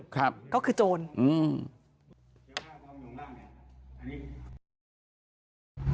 ครับก็คือโจรอืม